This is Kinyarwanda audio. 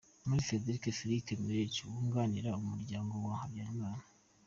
Me French Philippe Meilhac wunganira umuryango wa Habyarimana